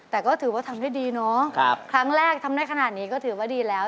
แต่ก็ถือว่าทำได้ดีเนาะครั้งแรกทำได้ขนาดนี้ก็ถือว่าดีแล้ว